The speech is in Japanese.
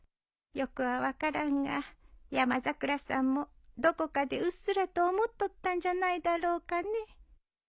よくは分からんが山桜さんもどこかでうっすらと思っとったんじゃないだろうかね。